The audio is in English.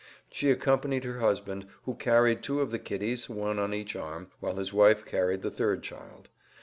She accompanied her husband, who carried two of the kiddies, one on each arm, while his wife carried the third child.